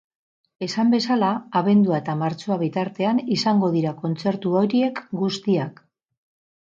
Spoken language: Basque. Esan bezala, abendua eta martxoa bitartean izango dira kontzertu horiek guztiak.